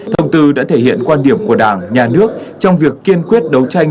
thông tư đã thể hiện quan điểm của đảng nhà nước trong việc kiên quyết đấu tranh